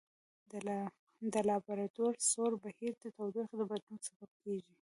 د لابرادور سوړ بهیر د تودوخې د بدلون سبب کیږي.